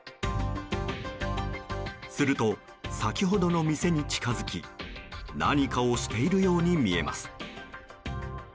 すると、先ほどの店に近づき何かをしているように見えます。